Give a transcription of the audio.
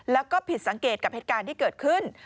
แล้วก็ผิดสังเกตกับเหตุการณ์ที่เกิดขึ้น